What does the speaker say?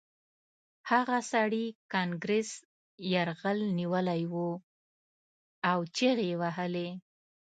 هغه سړي کانګرس یرغمل نیولی و او چیغې یې وهلې